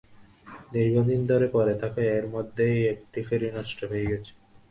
দীর্ঘদিন ধরে পড়ে থাকায় এরই মধ্যে একটি ফেরি নষ্ট হয়ে গেছে।